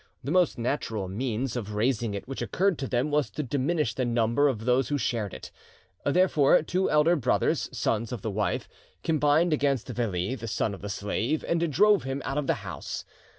The most natural means of raising it which occurred to them was to diminish the number of those who shared it; therefore the two elder brothers, sons of the wife, combined against Veli, the son of the slave, and drove him out of the house.